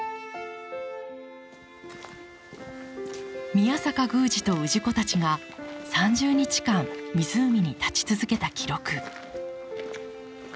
宮坂宮司と氏子たちが３０日間湖に立ち続けた記録。